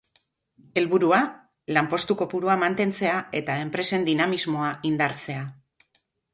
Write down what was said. Helburua, lanpostu kopurua mantentzea eta enpresen dinamismoa indartzea.